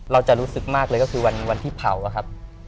เราจะรู้สึกมากเลยก็คือวันที่เผาอะครับ